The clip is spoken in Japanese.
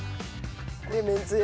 でめんつゆ？